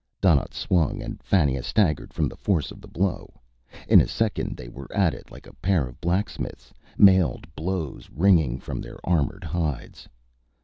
Donnaught swung, and Fannia staggered from the force of the blow. In a second they were at it like a pair of blacksmiths, mailed blows ringing from their armored hides.